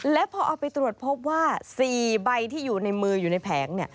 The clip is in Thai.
และพอเอาไปตรวจพบว่า๔ใบที่อยู่ในมืออยู่ในแผงเนี่ย